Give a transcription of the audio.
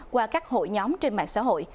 qua các hội nhóm trên mạng xã hội